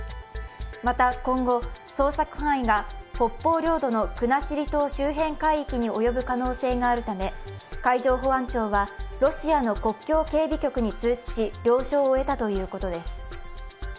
また今後、捜索範囲が北方領土の国後島周辺海域に及ぶ可能性があるため海上保安庁は、ロシアの国境警備局に通知し了承を得たということです。